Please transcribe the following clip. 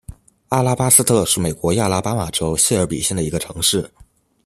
阿拉巴斯特是美国亚拉巴马州谢尔比县的一个城市。